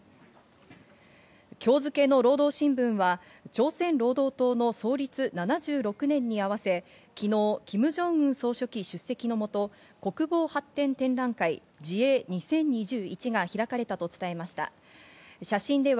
今日付の労働新聞は、朝鮮労働党の創立７６年に合わせ、昨日キム・ジョンウン総書記首席の元、国防発展展覧会、「自衛ー２０２１」が開かれたと伝えました。